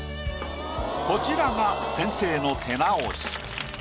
こちらが先生の手直し。